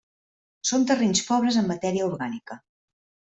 Són terrenys pobres en matèria orgànica.